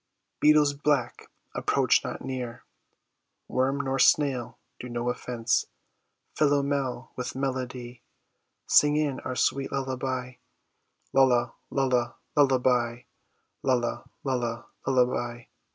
Beetles black, approach not near; Worm nor snail, do no offence. Philomel, with melody, Sing in our sweet lullaby; Lulla, lulla, lullaby; lulla, lulla, lullaby!